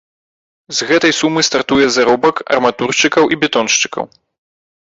З гэтай сумы стартуе заробак арматуршчыкаў і бетоншчыкаў.